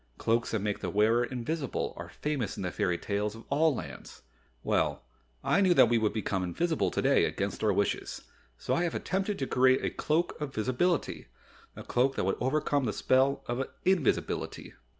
"Cloaks that make the wearer invisible are famous in the fairy tales of all lands. Well, I knew that we would become invisible today against our wishes, so I have attempted to create a Cloak of Visibility a cloak that would overcome the spell of invisibility."